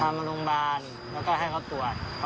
มาโรงพยาบาลแล้วก็ให้เขาตรวจ